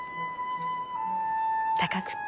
高くって。